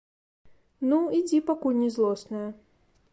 Ну, ідзі, пакуль не злосная.